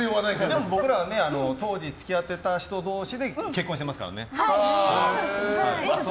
でも僕らは当時付き合っていた人同士で結婚してますからね。